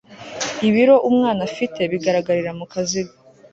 ibiro umwana afite bigaragarira mu kaziga